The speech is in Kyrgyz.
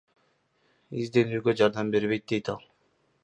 Изденүүгө жардам берет дейт ал.